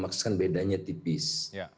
maksudnya bedanya tipis